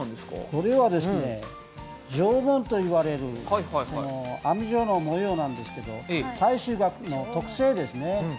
これは条紋と言われる網状の模様なんですけど太秋柿の特性ですね。